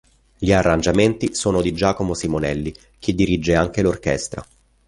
Gli arrangiamenti sono di Giacomo Simonelli, che dirige anche l'orchestra.